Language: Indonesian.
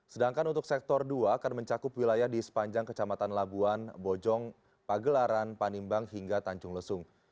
sedangkan untuk sektor dua akan mencakup wilayah di sepanjang kecamatan labuan bojong pagelaran panimbang hingga tanjung lesung